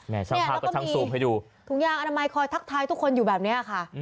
แล้วก็มีถุงยางอนามัยคอยทักทายทุกคนอยู่แบบนี้ค่ะ